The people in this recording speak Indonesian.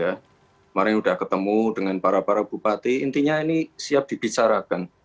kemarin sudah ketemu dengan para para bupati intinya ini siap dibicarakan